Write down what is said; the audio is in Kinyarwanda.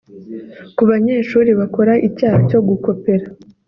Ku banyeshuri bakora icyaha cyo gukopera